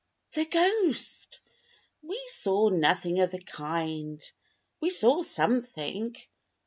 "The ghost." "We saw nothing of the kind. We saw something."